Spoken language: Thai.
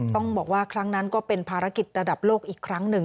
ต้องบอกว่าครั้งนั้นก็เป็นภารกิจระดับโลกอีกครั้งหนึ่ง